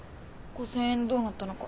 ５０００円どうなったのか。